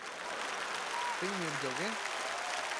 Tem medo de alguém?